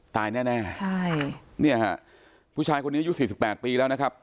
ตายแน่แน่ใช่เนี่ยฮะผู้ชายคนนี้อายุสี่สิบแปดปีแล้วนะครับ